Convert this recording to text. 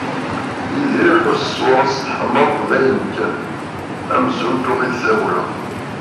Yidir iḥus i ṣṣura-s teḥma d ayen kan, amzun tuɣ-it tawla.